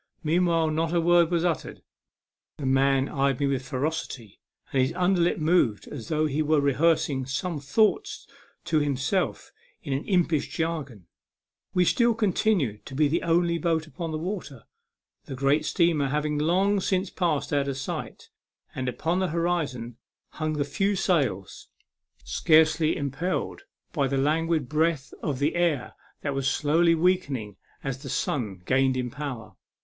Meanwhile, not a word was uttered. The man eyed me with ferocity, and his under lip moved as though he were rehears ing some thoughts to himself in an impish jargon. We still continued to be the only boat upon the water. The great steamer had long since passed out of sight, and upon the horizon hung the few sails, scarcely impelled by the A MEMORABLE SWIM. 79 languid breath of the air that was slowly weakening as the sun gained in power.